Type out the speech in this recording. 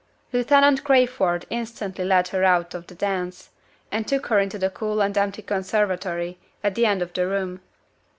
Lieutenant Crayford instantly led her out of the dance, and took her into the cool and empty conservatory, at the end of the room.